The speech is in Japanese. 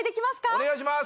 お願いします！